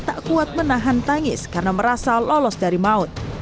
tak kuat menahan tangis karena merasa lolos dari maut